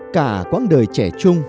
cả quãng đời trẻ trung